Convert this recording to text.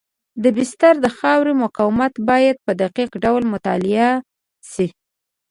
د بستر د خاورې مقاومت باید په دقیق ډول مطالعه شي